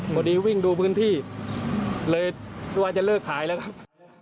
พอดีวิ่งดูพื้นที่เลยว่าจะเลิกขายแล้วครับ